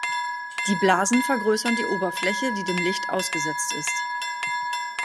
Die Blasen vergrößern die Oberfläche, die dem Licht ausgesetzt ist.